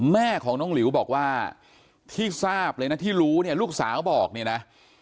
แม่ของน้องหลิวบอกว่าที่ทราบเลยนะที่รู้เนี่ยลูกสาวบอกเนี่ยนะ